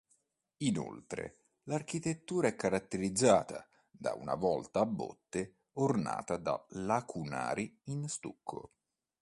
Inoltre, l'architettura è caratterizzata da una volta a botte ornata da lacunari in stucco.